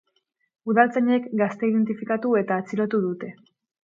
Udaltzainek gaztea identifikatu eta atxilotu dute.